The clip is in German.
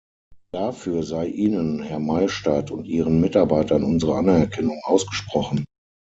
Dafür sei Ihnen, Herr Maystadt, und Ihren Mitarbeitern unsere Anerkennung ausgesprochen.